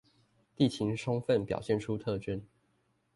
地形充分表現出特徵